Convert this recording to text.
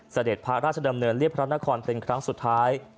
เสด็จพระราชดำเนินเรียบพระนครเป็นครั้งสุดท้าย